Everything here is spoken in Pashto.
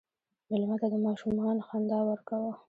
مېلمه ته د ماشومان خندا ورکوه.